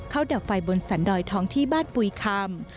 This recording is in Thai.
เข้าเดาไฟบนสันดอยท้องที่บ้านปุ่ยคำ